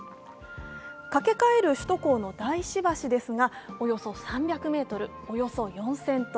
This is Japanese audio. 架け替える首都高の大師橋ですがおよそ３００ｍ、およそ４０００ｔ。